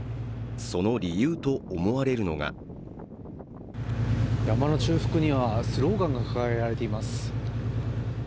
その理由と思われるのが山の中腹にはスローガンが掲げられています。